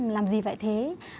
làm gì phải thế